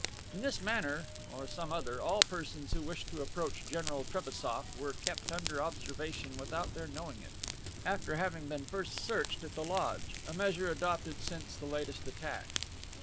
In this manner, or some other, all persons who wished to approach General Trebassof were kept under observation without their knowing it, after having been first searched at the lodge, a measure adopted since the latest attack.